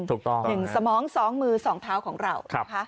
ถูกต้องใช่ไหมครับครับหนึ่งสมองสองมือสองเท้าของเรา